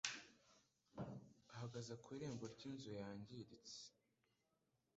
ahagaze ku irembo ry'inzu yangiritse,